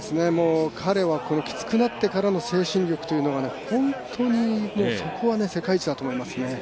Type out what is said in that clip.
彼はきつくなってからの精神力というのが本当に、そこは世界一だと思いますね。